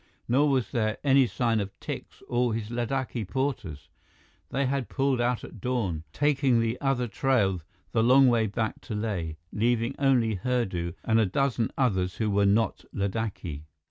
Nor was there any sign of Tikse and his Ladakhi porters. They had pulled out at dawn, taking the other trail the long way back to Leh, leaving only Hurdu and a dozen others who were not Ladakhi.